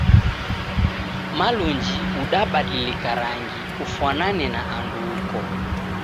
Malunji udabadilika rangu ufwanane na andu uko